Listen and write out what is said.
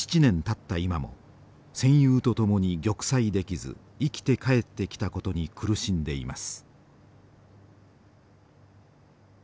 今も戦友と共に玉砕できず生きて帰ってきたことに苦しんでいます。